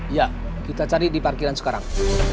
iya kita cari di parkiran sekarang